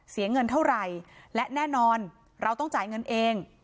เสียเงินเท่าไหร่และแน่นอนเราต้องจ่ายเงินเอง